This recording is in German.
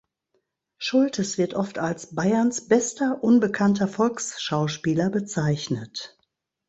Schultes wird oft als „Bayerns bester unbekannter Volksschauspieler“ bezeichnet.